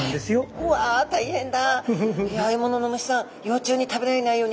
うわ大変だ。